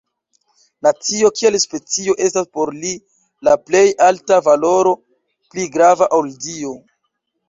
Nacio kiel specio estas por li la plej alta valoro, pli grava ol Dio.